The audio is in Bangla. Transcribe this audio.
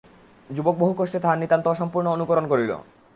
যুবক বহুকষ্টে তাহার নিতান্ত অসম্পূর্ণ অনুকরণ করিল।